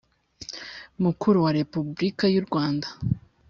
Mukuru wa Repubulika y u Rwanda